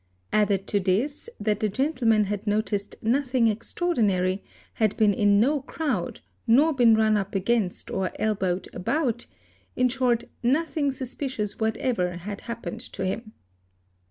Added to this, that the gentleman had noticed nothing extraordinary, had been in no erowd, nor been run up against or elbowed about, in short nothing sus — picious whatever had happened to him.